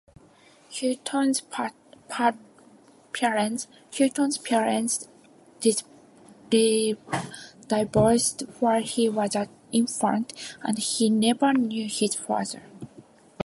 Hutton's parents divorced while he was an infant, and he never knew his father.